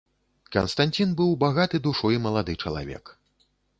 Канстанцін быў багаты душой малады чалавек.